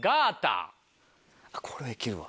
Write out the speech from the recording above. これはいけるわ。